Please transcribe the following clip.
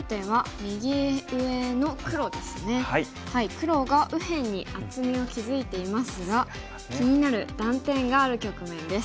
黒が右辺に厚みを築いていますが気になる断点がある局面です。